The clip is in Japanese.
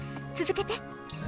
続けて。